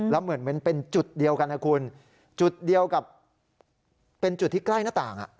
แล้วเหมือนเป็นจุดเดียวกันนะคุณจุดเดียวกับเป็นจุดที่ใกล้หน้าต่าง